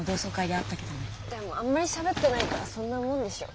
でもあんまりしゃべってないからそんなもんでしょ。